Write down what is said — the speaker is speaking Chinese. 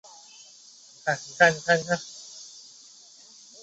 郑琦郑家人。